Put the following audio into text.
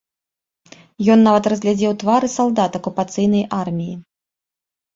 Ён нават разгледзеў твары салдат акупацыйнай арміі.